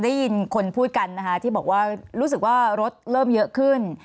ที่เราก็ว่ารู้สึกว่ารถเริ่มเยอะขึ้น